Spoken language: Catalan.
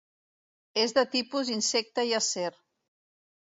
És de tipus insecte i acer.